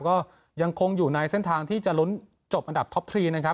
ก็ยังคงอยู่ในเส้นทางที่จะลุ้นจบอันดับท็อปทรีนะครับ